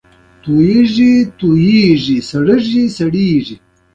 ایا ستاسو درسونه خلاص شوي نه دي؟